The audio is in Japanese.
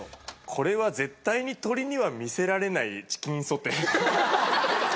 これは、絶対に鳥には見せられないチキンソテー。